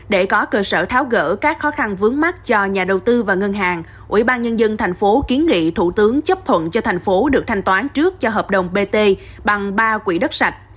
để có cơ sở tháo gỡ các khó khăn vướng mắt cho nhà đầu tư và ngân hàng ủy ban nhân dân thành phố kiến nghị thủ tướng chấp thuận cho thành phố được thanh toán trước cho hợp đồng bt bằng ba quỹ đất sạch